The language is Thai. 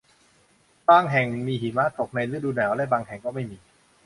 บางแห่งมีหิมะตกในฤดูหนาวและบางแห่งก็ไม่มี